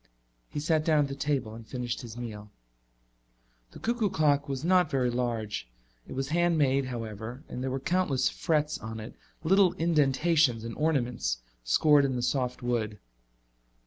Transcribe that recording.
He sat down at the table and finished his meal. The cuckoo clock was not very large. It was hand made, however, and there were countless frets on it, little indentations and ornaments scored in the soft wood.